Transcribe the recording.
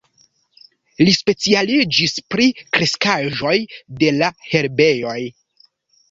Li specialiĝis pri kreskaĵoj de la herbejoj.